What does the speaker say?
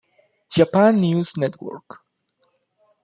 Japan News Network